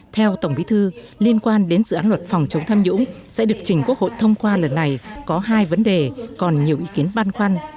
theo tổng bí thư liên quan đến dự án luật phòng chống tham nhũng sẽ được chỉnh quốc hội thông qua lần này có hai vấn đề còn nhiều ý kiến băn khoăn